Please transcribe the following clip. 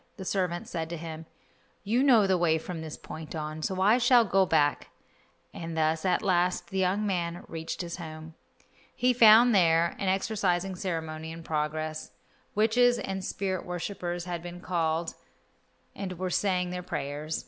The servant said to him, "You know the way from this point on, so I shall go back," and thus at last the young man reached his home. He found there an exorcising ceremony in progress. Witches and spirit worshippers had been called and were saying their prayers.